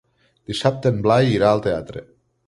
Dissabte en Blai irà al teatre.